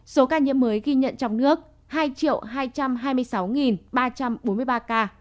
số ca nhiễm mới ghi nhận trong nước hai hai trăm hai mươi sáu